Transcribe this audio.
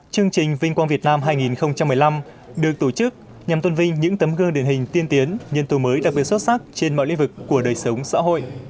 chương trình vinh quang việt nam hai nghìn một mươi năm được tổ chức nhằm tôn vinh những tấm gương điển hình tiên tiến nhân tố mới đặc biệt xuất sắc trên mọi lĩnh vực của đời sống xã hội